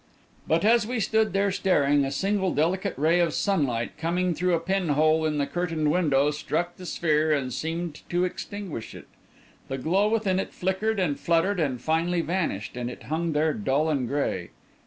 But as we stood there staring, a single delicate ray of sunlight coming through a pin hole in the curtained window, struck the sphere and seemed to extinguish it. The glow within it flickered and fluttered and finally vanished, and it hung there dull and grey.